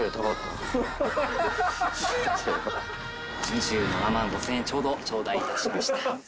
２７万５，０００円ちょうど頂戴いたしました。